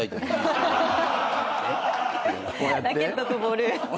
ラケットとボール。